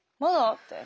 みたいな。